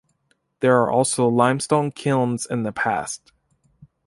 There were also limestone kilns in the past.